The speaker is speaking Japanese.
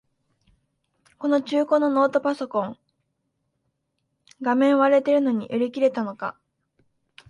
この中古のノートパソコン、画面割れてるのに売り切れたのか